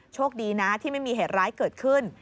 โชคดีนะที่ไม่มีเหตุร้ายเกิดขึ้น